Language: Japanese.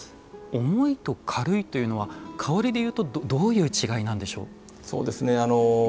重いと軽いというのは香りでいうとどういう違いなんでしょう？